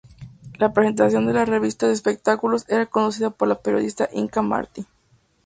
La presentación de la revista de espectáculos era conducida por la periodista Inka Martí.